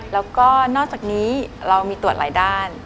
แล้วก็นอกจากนี้เรามีตรวจหลายด้าน